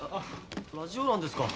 ラジオ欄ですか。